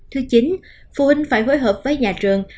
thứ chín phụ huynh phải phối hợp với nhà trường